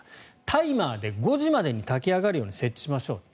タイマーで５時までに炊き上がるように設定しましょう。